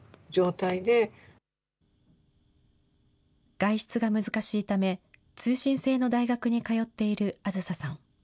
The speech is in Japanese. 外出が難しいため、通信制の大学に通っているあずささん。